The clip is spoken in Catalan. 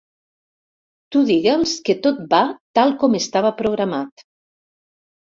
Tu digue'ls que tot va tal com estava programat.